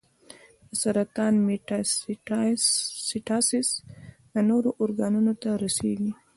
د سرطان میټاسټاسس نورو ارګانونو ته رسېږي.